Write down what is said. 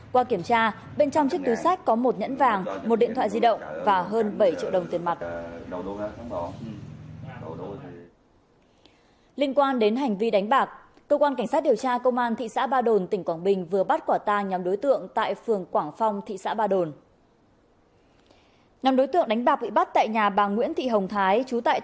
qua kiểm tra bên trong chiếc túi sách có một nhẫn vàng một điện thoại di động và hơn bảy triệu đồng tiền mặt